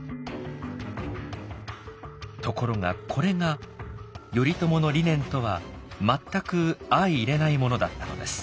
ところがこれが頼朝の理念とは全く相いれないものだったのです。